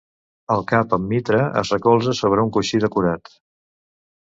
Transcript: El cap amb mitra es recolza sobre un coixí decorat.